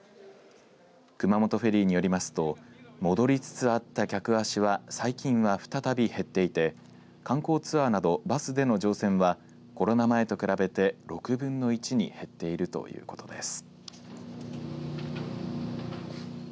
熊本フェリーによりますと戻りつつあった客足は最近は再び減っていて観光ツアーなどバスでの乗船はコロナ前と比べて６分の１に減っているということです。